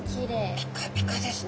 ピカピカですね。